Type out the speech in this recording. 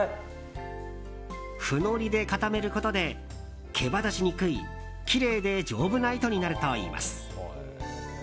フノリで固めることで毛羽立ちにくいきれいで丈夫な糸になるといいます。